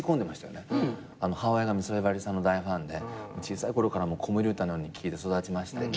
母親が美空ひばりさんの大ファンで小さいころから子守歌のように聞いて育ちましたので。